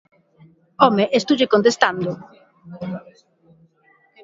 ¡Home, estoulle contestando!